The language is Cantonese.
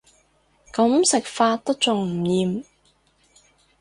噉食法都仲唔厭